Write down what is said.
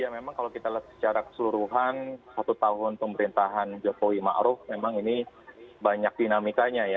ya memang kalau kita lihat secara keseluruhan satu tahun pemerintahan jokowi ⁇ maruf ⁇ memang ini banyak dinamikanya ya